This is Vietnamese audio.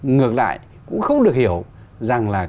ngược lại cũng không được hiểu rằng là